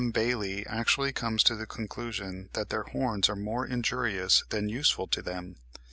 Bailly actually comes to the conclusion that their horns are more injurious than useful to them.